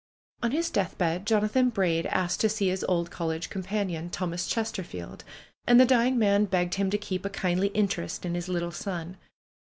On his deathbed J onathan Braid asked to see his old college companion, Thomas Chesterfield. And the dying man begged him to keep a kindly interest in his little son.